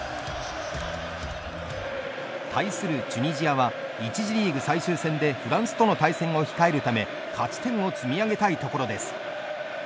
対するチュニジアは１次リーグ最終戦でフランスとの対戦を控えるため勝ち点を積み上げたいところです。